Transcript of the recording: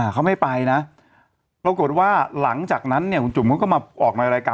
เขาไม่ไปนะปรากฏว่าหลังจากนั้นเนี่ยคุณจุ่มเขาก็มาออกในรายการ